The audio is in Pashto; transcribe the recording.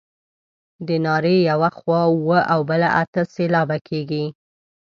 د نارې یوه خوا اووه او بله اته سېلابه کیږي.